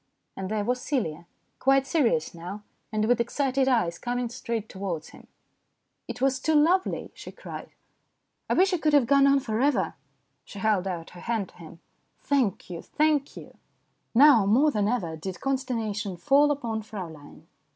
And there was Celia, quite serious now, and with excited eyes, coming straight towards him. " It was too lovely," she cried. " I wish you i86 STORIES IN GREY could have gone on for ever." She held out her hand to him. " Thank you, thank you !" Now, more than ever, did consternation fall upon Fraulein.